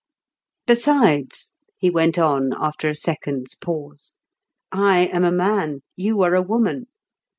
Besides," he went on, after a second's pause, "I am a man; you are a woman.